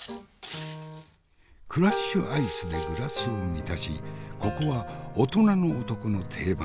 クラッシュアイスでグラスを満たしここは大人の男の定番